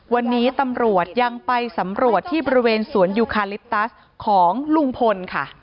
วันนี้ตำรวจยังไปสำรวจที่บริเวณสวนยูคาลิปตัสของลุงพลค่ะ